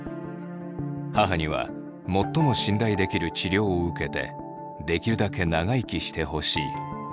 母には最も信頼できる治療を受けてできるだけ長生きしてほしい。